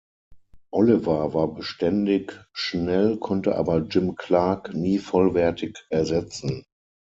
Oliver war beständig schnell, konnte aber Jim Clark nie vollwertig ersetzen.